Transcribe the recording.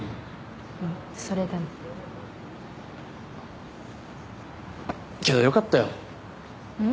うんそれでもけどよかったよん？